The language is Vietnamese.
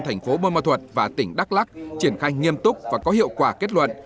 thành phố buôn mơ thuột và tỉnh đắk lắc triển khai nghiêm túc và có hiệu quả kết luận